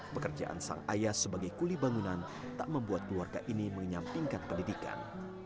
pekerjaan sang ayah sebagai kuli bangunan tak membuat keluarga ini menyampingkan pendidikan